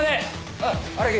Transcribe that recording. おい荒木。